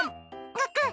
がっくん